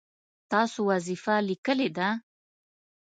تاسو وظیفه لیکلې ده؟